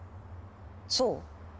そう？